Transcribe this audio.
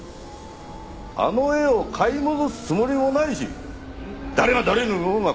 あの絵を買い戻すつもりもないし誰が誰に売ろうが勝手にしろ。